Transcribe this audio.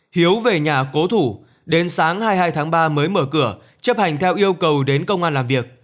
hiếu về nhà cố thủ đến sáng hai mươi hai tháng ba mới mở cửa chấp hành theo yêu cầu đến công an làm việc